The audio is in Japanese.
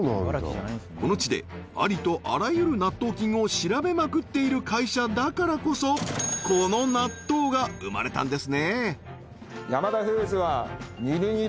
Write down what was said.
この地でありとあらゆる納豆菌を調べまくっている会社だからこそこの納豆が生まれたんですね